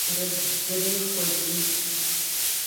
درې خوندې